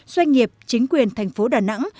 doanh nghiệp chính quyền thành phố đà nẵng